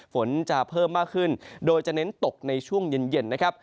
ฝนจะเพิ่มมากขึ้นโดยจะเน้นตกในช่วงเย็นนะครับ